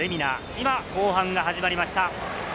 今、後半が始まりました。